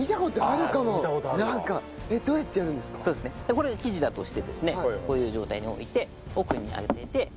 これ生地だとしてですねこういう状態に置いて奥に入れて置きます。